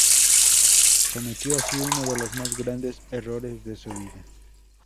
Cometió así uno de los más grandes errores de su vida.